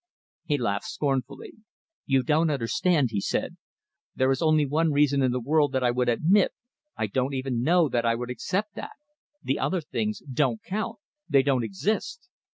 He laughed scornfully. "You don't understand," he said. "There is only one reason in the world that I would admit I don't even know that I would accept that. The other things don't count. They don't exist."